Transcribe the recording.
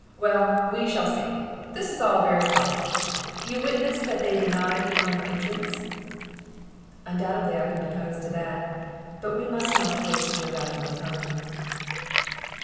Well, we shall see. This is all very fine. You witness that they deny the owner entrance?" "Undoubtedly I can depose to that. But we must not waste your valuable time."